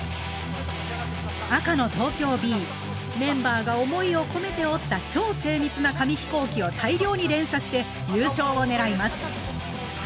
赤の東京Ｂメンバーが思いを込めて折った超精密な紙飛行機を大量に連射して優勝を狙います。